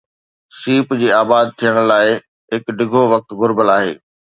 سيپ جي آباد ٿيڻ لاءِ هڪ ڊگهو وقت گهربل آهي.